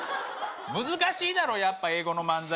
難しいだろやっぱ英語の漫才